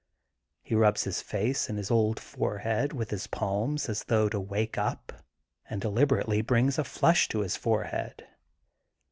He rubs his face and his old forehead with his palms as though to wake up and deliberately brings a flush to his forehead.